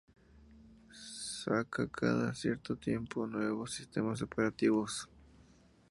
Saca cada cierto tiempo nuevos sistemas operativos.